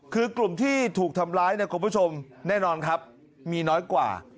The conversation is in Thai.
คือกลุ่มที่ถูกทำร้ายเนี่ยคุณผู้ชมแน่นอนครับมีน้อยกว่า